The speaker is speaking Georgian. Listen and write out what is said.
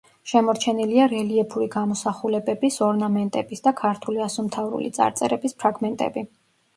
შემორჩენილია რელიეფური გამოსახულებების, ორნამენტების და ქართული ასომთავრული წარწერების ფრაგმენტები.